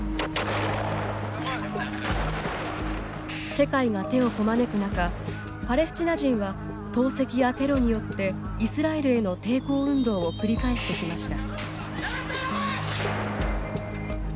世界が手をこまねく中パレスチナ人は投石やテロによってイスラエルへの抵抗運動を繰り返してきました。